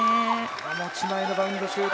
持ち前のバウンドシュート